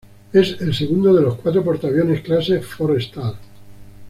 Es el segundo de los cuatro portaaviones clase "Forrestal".